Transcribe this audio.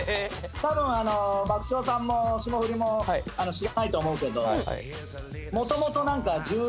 多分爆笑さんも霜降りも知らないと思うけど。